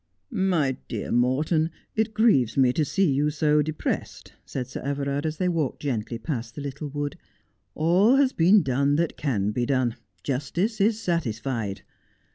' My dear Morton, it grieves me to see you so depressed,' said Sir Everard, as they walked gently past the little wood. ' All has been done that can be done. Justice is satisfied.